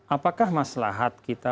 apakah maslahat kita